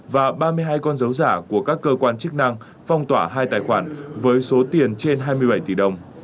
và ba mươi hai con dấu giả của các cơ quan chức năng phong tỏa hai tài khoản với số tiền trên hai mươi bảy tỷ đồng